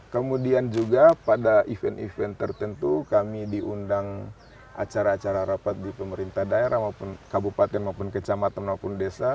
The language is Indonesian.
kemudian juga pada event event tertentu kami diundang acara acara rapat di pemerintah daerah maupun kabupaten maupun kecamatan maupun desa